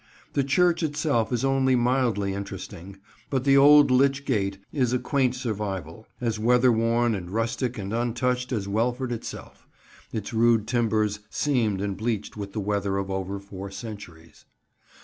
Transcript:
The church itself is only mildly interesting, but the old lych gate is a quaint survival, as weather worn and rustic and untouched as Welford itself; its rude timbers seamed and bleached with the weather of over four centuries.